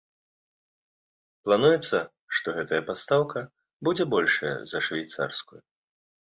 Плануецца, што гэтая пастаўка будзе большая за швейцарскую.